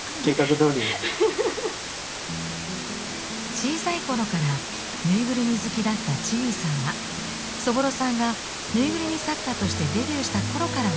小さい頃からぬいぐるみ好きだったチミーさんはそぼろさんがぬいぐるみ作家としてデビューした頃からの大ファン。